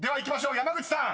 山口さん］